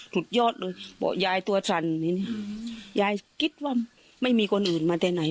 สุดยอดเลยบอกยายตัวสั่นยายคิดว่าไม่มีคนอื่นมาแต่ไหน